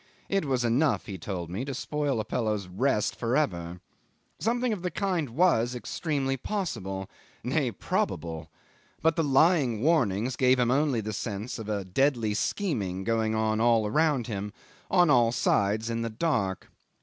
It was enough he told me to spoil a fellow's rest for ever. Something of the kind was extremely possible nay, probable but the lying warnings gave him only the sense of deadly scheming going on all around him, on all sides, in the dark.